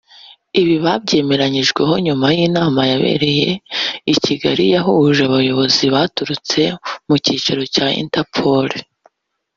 Ibi babyemeranyijweho nyuma y’inama yabereye i Kigali yahuje abayobozi baturutse ku cyicaro cya Interpol